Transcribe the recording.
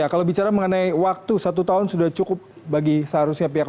kalau bicara mengenai waktu satu tahun sudah cukup bagi seharusnya pihak